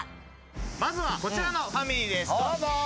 まずはこちらのファミリーです、どうぞ。